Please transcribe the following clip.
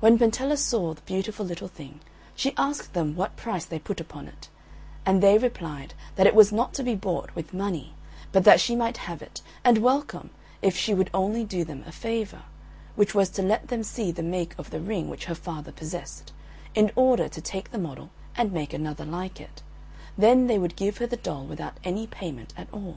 When Pentella saw the beautiful little thing she asked them what price they put upon it, and they replied that it was not to be bought with money, but that she might have it and welcome if she would only do them a favour, which was to let them see the make of the ring which her father possessed, in order to take the model and make another like it, then they would give her the doll without any payment at all.